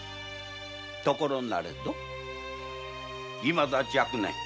ところなれどいまだ若年。